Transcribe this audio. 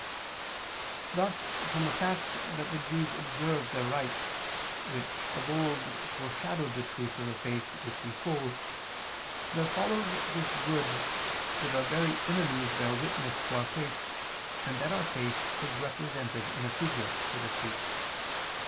Thus from the fact that the Jews observe their rites, which, of old, foreshadowed the truth of the faith which we hold, there follows this good that our very enemies bear witness to our faith, and that our faith is represented in a figure, so to speak.